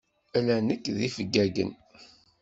Ala nekk d yifeggagen.